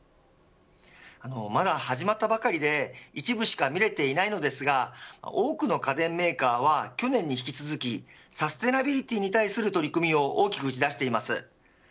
まだ始まったばかりで一部しか見れていないのですが多くの家電メーカーは去年に引き続きサステナビリティーに対する取り組みを大きく打ち出しています。